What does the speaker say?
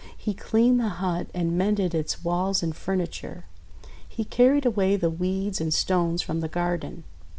He cleaned the hut and mended its walls and furni ture. He carried away the weeds and stones from the garden.